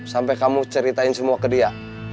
sampai kamu ceritain semua ke dia